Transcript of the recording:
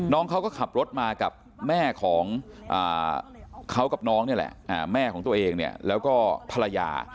น้องเขาก็ขับรถมากับแม่ของเขากับน้องนี่แหละแม่ของตัวเองเนี่ยแล้วก็ภรรยา